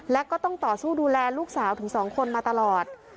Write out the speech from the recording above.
และก็ต้องต่อสู้ดูแลลูกสาวถึง๒คนมาตลอด